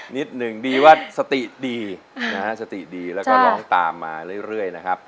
นิดนึงดีว่าสติดีนะฮะสติดีแล้วก็ร้องตามมาเรื่อยนะครับ